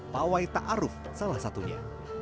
pak wai ta aruf salah satunya